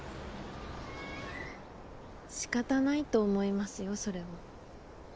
しかたないと思いますよそれは。